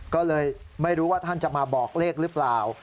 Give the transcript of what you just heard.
ก็เลยไม่รู้ว่าท่านจะมาบอกเลขหรือเปล่า